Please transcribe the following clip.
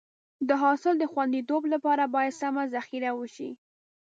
د حاصل د خونديتوب لپاره باید سمه ذخیره وشي.